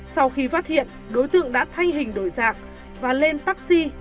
sau khi phát hiện đối tượng đã thay hình đổi dạng và lên taxi